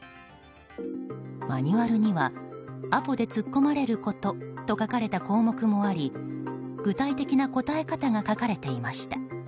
マニュアルにはアポで突っ込まれることと書かれた項目もあり具体的な答え方が書かれていました。